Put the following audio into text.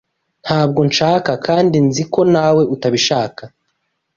Ntabwo nshaka kandi nzi ko nawe utabishaka.